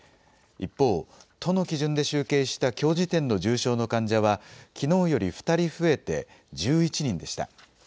一方、都の基準で集計したきょう時点の重症の患者は、きのうより２人増えて１１人でした。